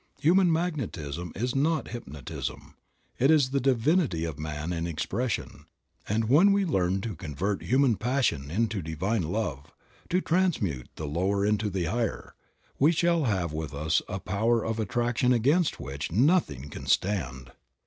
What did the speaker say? Human magnetism is not hypnotism, it is the divinity of man in expression; and when we learn to convert human passion into divine love, to transmute the lower into the higher, we shall have with us a power of attraction against which nothing can stand.